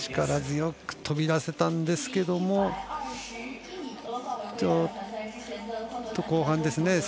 力強く飛び出せたんですけどちょっと後半ですね